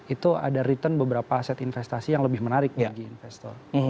itu ada return beberapa aset investasi yang lebih menarik bagi investor